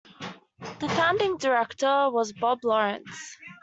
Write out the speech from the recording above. The founding director was Bob Lawrence.